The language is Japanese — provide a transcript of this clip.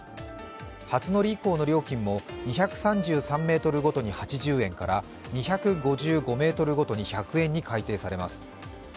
初乗り以降の料金も２３３ｍごとに８０円から２５５ｍごとに１００円に改定されます。